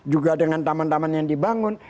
juga dengan taman taman yang dibangun